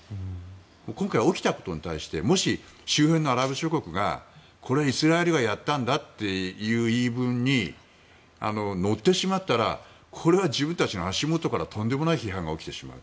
今回、起きたことに対してもし周辺のアラブ諸国がこれ、イスラエルがやったんだという言い分に乗ってしまったらこれは自分たちの足元からとんでもない批判が起きてしまう。